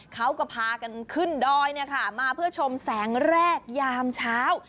เขาก็พากันขึ้นดอยมาเพื่อชมแสงแรกยามเช้า